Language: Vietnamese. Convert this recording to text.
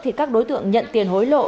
thì các đối tượng nhận tiền hối lộ